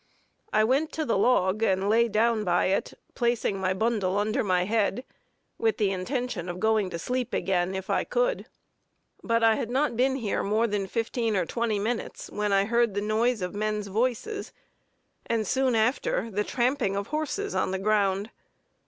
I went to the log and lay down by it, placing my bundle under my head, with the intention of going to sleep again, if I could; but I had not been here more than fifteen or twenty minutes, when I heard the noise of men's voices, and soon after the tramping of horses on the ground.